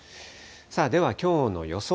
さあでは、きょうの予想